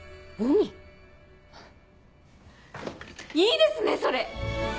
いいですねそれ！